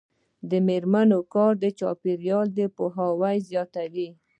د میرمنو کار د چاپیریال پوهاوي زیاتوي.